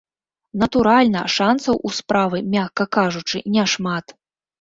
Натуральна, шанцаў у справы, мякка кажучы, няшмат.